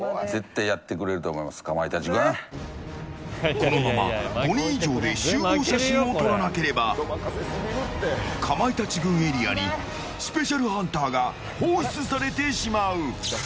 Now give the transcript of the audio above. このまま５人以上で集合写真を撮らなければかまいたち軍エリアにスペシャルハンターが放出されてしまう。